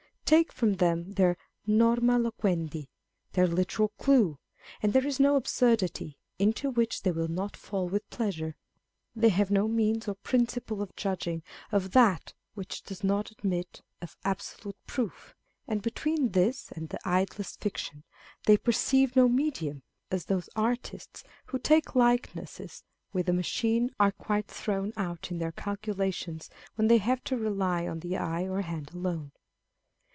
Take from them their norma loquendi, their literal clue, and there is no absurdity into which they will not fall with pleasure. They have no means or principle of On People of Sense. 353 judging of that which does not admit of absolute proof; and between this and the idlest fiction, they perceive no medium : â€" as those artists who take likenesses with a machine are quite thrown out in their calculations when they have to rely on the eye or hand alone.